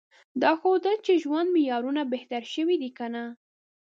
دا ښودل چې ژوند معیارونه بهتر شوي دي که نه؟